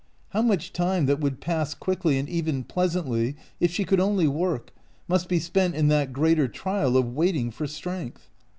How much time that would pass quickly and even pleasantly if she could only work, must be spent in that greater trial of waiting for strength